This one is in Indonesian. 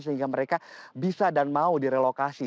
sehingga mereka bisa dan mau direlokasi